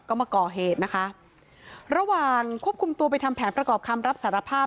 ก็มาก่อเหตุนะคะระหว่างควบคุมตัวไปทำแผนประกอบคำรับสารภาพ